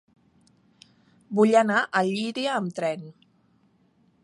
Vull anar a Llíria amb tren.